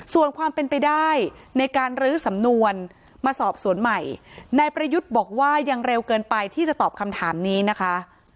ส่วนความเป็นไปได้ในการรื้อสำนวนมาสอบสวนใหม่นายประยุทธ์บอกว่ายังเร็วเกินไปที่จะตอบคำถามนี้นะคะ